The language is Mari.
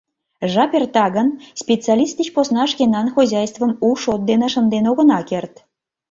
Жап эрта гын, специалист деч посна шкенан хозяйствым у шот дене шынден огына керт.